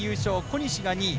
小西が２位。